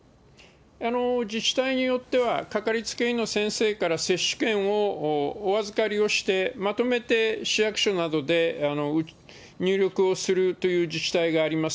自治体によっては、掛かりつけ医の先生から接種券をお預かりをして、まとめて市役所などで入力をするという自治体があります。